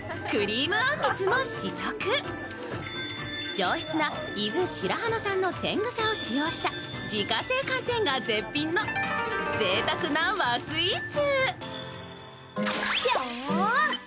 上質な伊豆白浜産のてんぐさを使用した自家製寒天が絶品のぜいたくな和スイーツ。